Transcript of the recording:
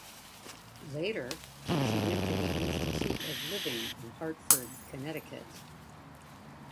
Later, she went to the Institute of Living in Hartford, Connecticut.